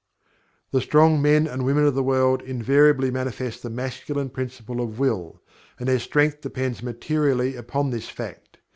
The strong men and women of the world invariably manifest the Masculine Principle of Will, and their strength depends materially upon this fact.